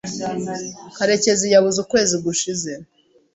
Karekezi yabuze ukwezi gushize.